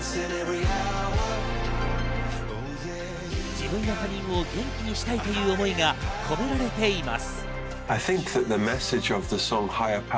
自分や他人を元気にしたいという思いが込められています。